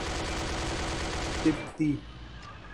تبتی